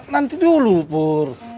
nanti dulu pur